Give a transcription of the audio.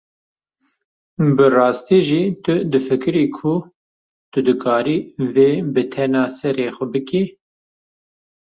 Bi rastî jî tu difikirî ku tu dikarî vê bi tena serê xwe bikî?